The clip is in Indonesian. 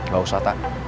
gak usah tak